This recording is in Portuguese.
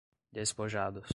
despojados